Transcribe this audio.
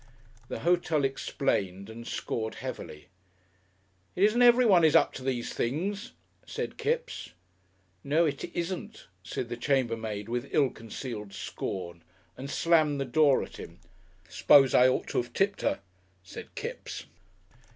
The hotel explained and scored heavily. "It isn't everyone is up to these things," said Kipps. "No, it isn't," said the chambermaid, with ill concealed scorn, and slammed the door at him. "S'pose I ought to have tipped her," said Kipps.